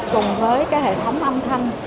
cùng với cái hệ thống âm thanh